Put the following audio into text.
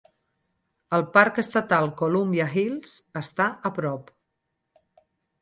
El parc estatal Columbia Hills està a prop.